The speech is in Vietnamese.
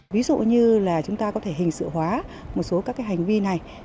ví dụ như là chúng ta có thể hình sự hóa một số các cái hành vi này